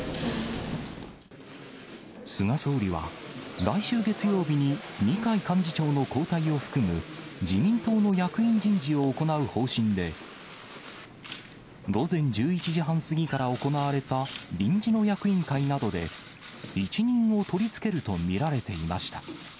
菅総理は、来週月曜日に二階幹事長の交代を含む、自民党の役員人事を行う方針で、午前１１時半過ぎから行われた臨時の役員会などで、一任を取り付けると見られていました。